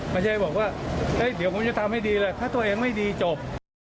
ไม่ใช่บอกว่าเดี๋ยวผมจะทำให้ดีเลยถ้าตัวเองไม่ดีจบ